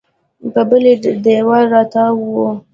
په بلې دېوال راتاو و.